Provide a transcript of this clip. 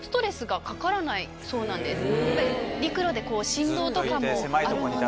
陸路で振動とかもあるので。